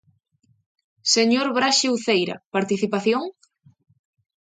Señor Braxe Uceira, ¿participación?